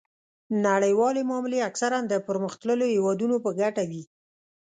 نړیوالې معاملې اکثراً د پرمختللو هیوادونو په ګټه وي